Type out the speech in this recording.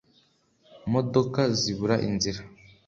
modoka zibura inzira.